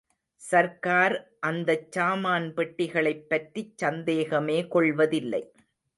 சர்க்கார் அந்தச்சாமான் பெட்டிகளைப் பற்றிச் சந்தேகமே கொள்வதில்லை.